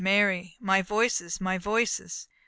Mary! My voices! My voices!"